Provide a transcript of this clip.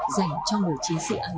dành cho người chiến sĩ ấy